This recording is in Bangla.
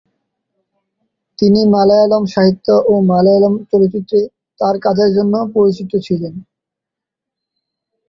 তিনি মালয়ালম সাহিত্য ও মালয়ালম চলচ্চিত্রে তার কাজের জন্য পরিচিত ছিলেন।